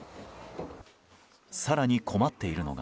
更に困っているのが。